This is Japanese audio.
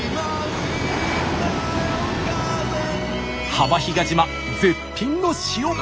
浜比嘉島絶品の塩。